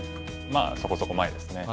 まあそこそこ前ですね。